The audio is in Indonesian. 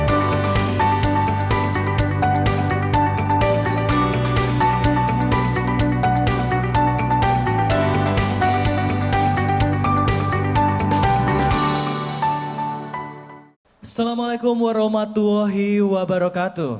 assalamualaikum warahmatullahi wabarakatuh